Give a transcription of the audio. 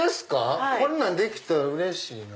こんなんできたらうれしいな。